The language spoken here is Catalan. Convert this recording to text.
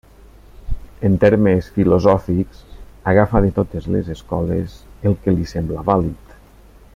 En termes filosòfics agafa de totes les escoles el que li sembla vàlid.